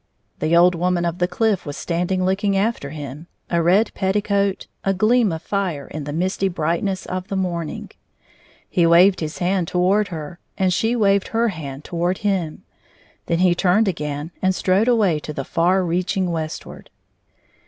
The old woman of the cliflf was standing looking after him, a red petticoat, a gleam of fire in the misty brightness of the morning. He waved his hand toward her, and she waved her hand toward him. Then he turned again and strode away to the far reaching westward.